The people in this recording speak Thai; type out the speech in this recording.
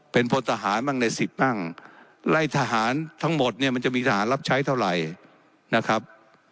เป็นพลทหารมั่งในสิบมั่งไล่ทหารทั้งหมดเนี่ยมันจะมีทหารรับใช้เท่าไหร่นะครับ